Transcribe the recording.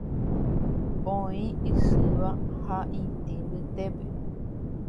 Oĩ isyva ha itĩ mbytépe.